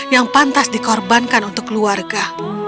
yang pantas dikorbankan untuk keluarga